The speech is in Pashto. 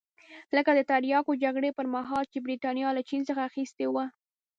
لکه د تریاکو جګړې پرمهال چې برېټانیا له چین څخه اخیستي وو.